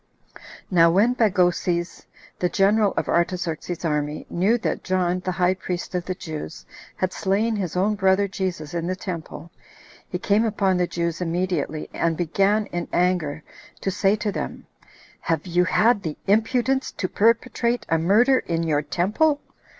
Now when Bagoses, the general of Artaxerxes's army, knew that John, the high priest of the Jews, had slain his own brother Jesus in the temple, he came upon the Jews immediately, and began in anger to say to them, "Have you had the impudence to perpetrate a murder in your temple?"